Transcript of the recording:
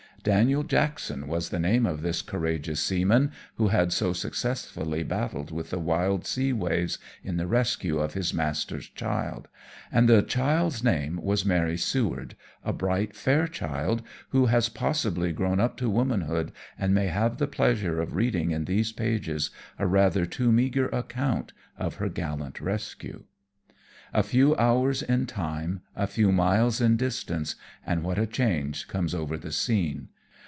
Daniel Jackson was the name of this courageous seaman, who had so successfully battled with the wild sea waves in the rescue of his master's child ; and the child's name was Mary Seward, a bright fair child, who has possibly grown up to womanhood, and may have the pleasure of reading in these pages a rather too meagre account of her gallant rescue. A few hours in time, a few miles in distance, and what a change comes over the scene